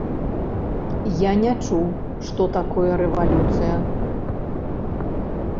Я не чуў, што такое рэвалюцыя.